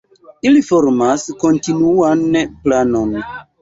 Ili formas kontinuan planon.